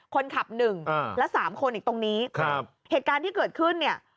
คนขับ๑แล้ว๓คนอีกตรงนี้เหตุการณ์ที่เกิดขึ้น